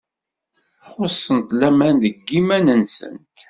Xuṣṣent laman deg yiman-nsent.